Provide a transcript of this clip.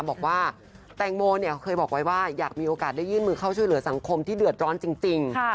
บอกว่าแตงโมเคยบอกไว้ว่าอยากมีโอกาสได้ยื่นมือเข้าช่วยเหลือสังคมที่เดือดร้อนจริง